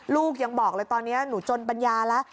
ลูกยังบอกเลยตอนนี้หนูจนปัญญาแล้ว